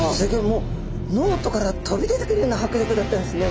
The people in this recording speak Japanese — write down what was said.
もうノートから飛び出てくるような迫力だったんですね